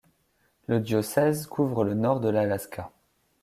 Le diocèse couvre le nord de l'Alaska.